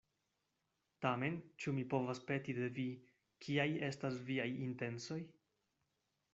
Tamen ĉu mi povas peti de vi, kiaj estas viaj intencoj?